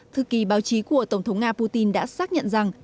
thư kỳ báo chí của tổng thống nga putin đã xác nhận rằng